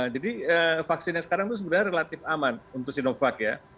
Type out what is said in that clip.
jadi vaksin yang sekarang itu sebenarnya relatif aman untuk sinovac ya